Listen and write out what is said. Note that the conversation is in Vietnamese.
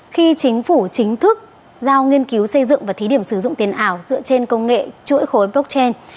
khi chính phủ chính thức giao nghiên cứu xây dựng và thí điểm sử dụng tiền ảo dựa trên công nghệ chuỗi khối blockchain